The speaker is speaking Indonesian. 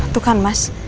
tuh kan mas